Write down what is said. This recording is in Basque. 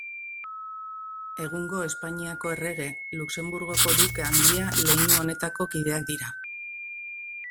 Egungo Espainiako errege, Luxenburgoko Duke Handia leinu honetako kideak dira.